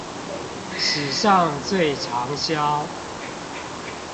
史上最長銷